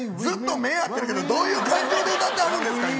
ずっと目合ってるけどどういう感情で歌ってはるんですか。